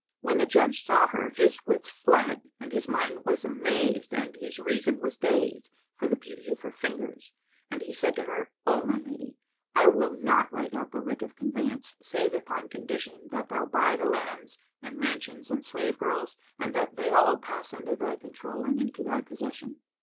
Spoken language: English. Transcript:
When the judge saw her, his wits fled and his mind was amazed and his reason was dazed for the beauty of her fingers, and he said to her, "O my lady, I will not write out the writ of conveyance, save upon condition that thou buy the lands and mansions and slave girls and that they all pass under thy control and into thy possession."